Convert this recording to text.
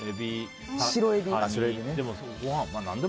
白エビ？